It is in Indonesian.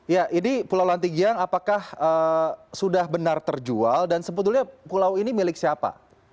ya ini pulau lantigiang apakah sudah benar terjual dan sebetulnya pulau ini milik siapa